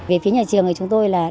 về phía nhà trường chúng tôi là đảm bảo